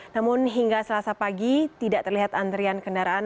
namun hingga selasa pagi tidak terlihat antrian kendaraan